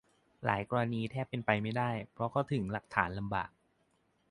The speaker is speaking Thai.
หลายกรณีแทบเป็นไปไม่ได้ เพราะเข้าถึงหลักฐานลำบาก